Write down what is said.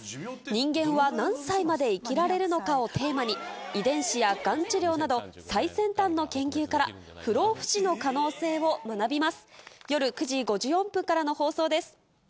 人間は何歳まで生きられるのかをテーマに、遺伝子やがん治療など、最先端の研究から、不老不死の可能性を学びます。